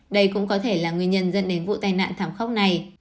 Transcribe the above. đây cũng có thể là nguyên nhân dẫn đến vụ tai nạn thảm khốc này